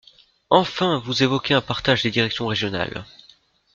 Enfin, vous évoquez un partage des directions régionales.